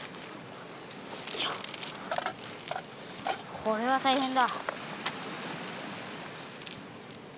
これは大変だ。